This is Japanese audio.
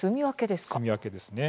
すみ分けですね。